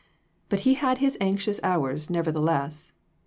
But he had his anxious hours, nevertheless.